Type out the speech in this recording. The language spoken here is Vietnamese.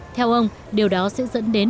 theo ông điều đó sẽ dẫn đến